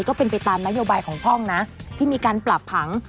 ก็เป็นไปตามนโยบายของช่องนะที่มีการปรับผัง